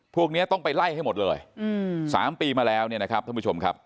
พวกนี้ต้องไปไล่ให้หมดเลย๓ปีมาแล้วเนี่ยนะครับท่านผู้ชมครับ